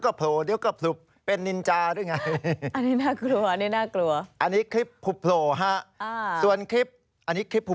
คลิปแรก